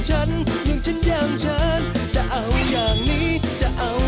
เหมือนตัวทิ้งเหรอ